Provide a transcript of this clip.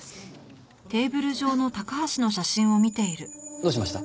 どうしました？